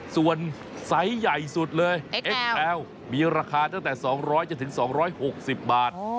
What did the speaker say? ส่วนไซส์ใหญ่สุดเลยเอ็กซ์แอลมีราคาตั้งแต่๒๐๐จนถึง๒๖๐บาท